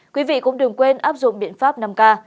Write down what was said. quý vị cũng đừng quên áp dụng biện pháp năm k